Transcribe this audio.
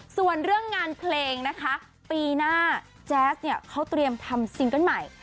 ส่วนเรื่องงานเพลงนะคะปีหน้าแจ๊สเนี่ยเขาเตรียมทำซิงเกิ้ลใหม่